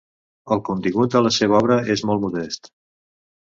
El contingut de la seva obra és molt modest.